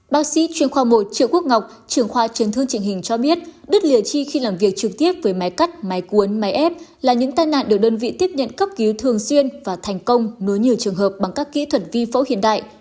bác sĩ chuyên khoa một triệu quốc ngọc trưởng khoa truyền thương trịnh hình cho biết đứt lìa chi khi làm việc trực tiếp với máy cắt máy cuốn máy ép là những tai nạn được đơn vị tiếp nhận cấp cứu thường xuyên và thành công nối nhiều trường hợp bằng các kỹ thuật vi phẫu hiện đại